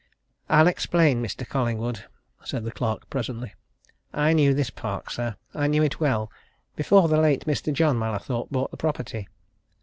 "I'll explain, Mr. Collingwood," said the clerk presently. "I knew this park, sir I knew it well, before the late Mr. John Mallathorpe bought the property.